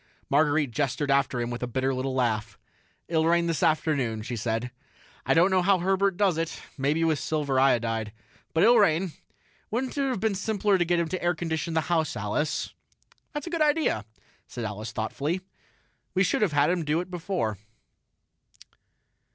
Marguerite gestured after him with a bitter little laugh. "It'll rain this afternoon," she said. "I don't know how Herbert does it maybe with silver iodide. But it'll rain. Wouldn't it have been simpler to get him to air condition the house, Alice?" "That's a good idea," said Alice thoughtfully. "We should have had him do it before."